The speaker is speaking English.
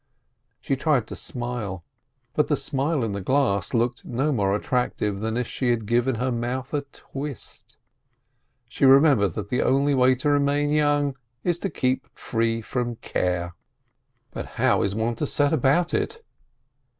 She tried to smile, but the smile in the glass looked no more attractive than if she had given her mouth a twist. She remembered that the only way to remain young is to keep free from care. But how is one to set about it?